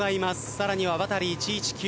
さらにはワタリ１１９。